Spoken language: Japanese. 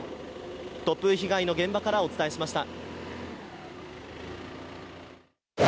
突風被害の現場からお伝えしました。